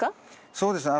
そうですね。